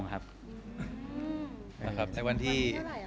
ในวันที่